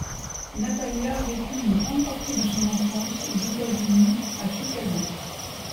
Natalia a vécu une grande partie de son enfance aux États-Unis à Chicago.